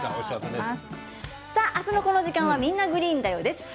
明日のこの時間は「みんな！グリーンだよ」です。